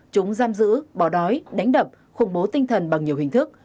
chúng giam giữ bỏ đói đánh đập khủng bố tinh thần bằng nhiều hình thức